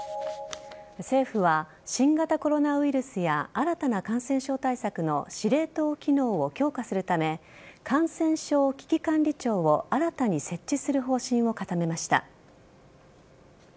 政府は新型コロナウイルスや新たな感染症対策の司令塔機能を強化するため感染症危機管理庁を新たに設置する方針を固めました。